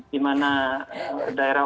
di mana daerah